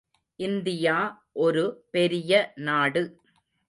India ஒரு பெரிய நாடு.